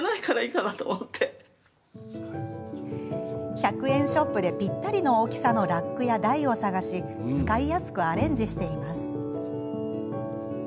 １００円ショップで、ぴったりの大きさのラックや台を探し使いやすくアレンジしています。